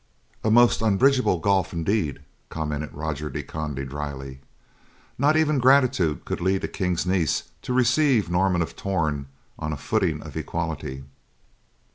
"A most unbridgeable gulf indeed," commented Roger de Conde, drily. "Not even gratitude could lead a king's niece to receive Norman of Torn on a footing of equality."